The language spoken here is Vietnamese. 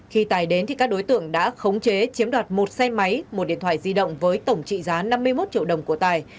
khi tài đến thì các đối tượng đã khống chế chiếm đoạt một xe máy một điện thoại di động với tổng trị giá năm mươi một triệu đồng của tài